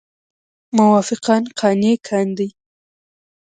موافقان قانع کاندي.